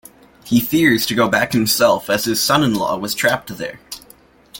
He fears to go back himself, as his son-in-law was trapped there.